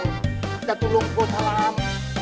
อาจจะตกลงควบคุมตาราม